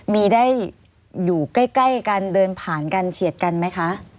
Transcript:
มีได้อยู่ใกล้กันเดินผ่านกันเฉียดกันไหมคะ